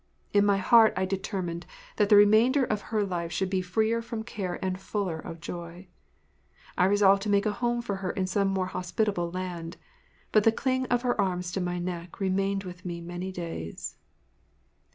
In my heart I determined that the remainder of her life should be freer from care and fuller of joy. I resolved to make a home for her in some more hospitable land, but the cling of her arms to my neck remained with me many days.